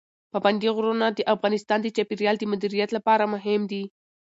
پابندی غرونه د افغانستان د چاپیریال د مدیریت لپاره مهم دي.